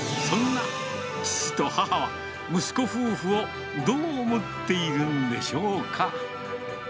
そんな父と母は、息子夫婦をどう思っているんでしょうか。